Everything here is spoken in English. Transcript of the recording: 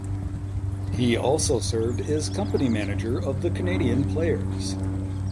He also served as company manager of the Canadian Players.